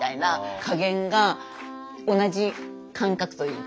加減が同じ感覚というか。